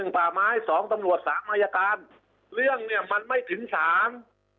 ๑๒๓๑ป่าไม้๒ตำรวจ๓มายการเรื่องเนี่ยมันไม่ถึงศาล